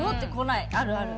あるある。